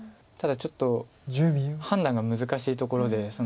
ただちょっと判断が難しいところで。